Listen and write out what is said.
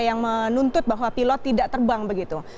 yang menuntut bahwa pilot tidak terbang begitu